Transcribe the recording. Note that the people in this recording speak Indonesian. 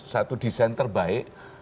satu desain terbaik